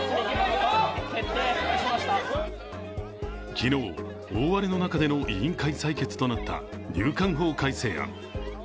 昨日、大荒れの中での委員会裁決となった入管法改正案。